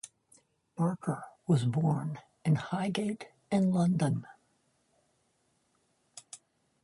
Barker was born in Highgate in London.